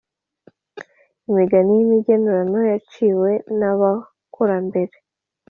Imigani y’imigenurano yaciwe n’abakurambere